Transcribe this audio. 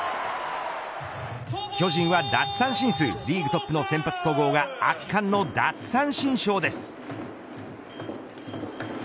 巨人は奪三振数リーグトップの先発、戸郷が圧巻の奪三振ショーです。